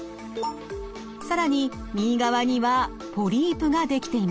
更に右側にはポリープが出来ていました。